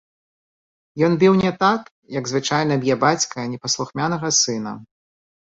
Ён біў не так, як звычайна б'е бацька непаслухмянага сына.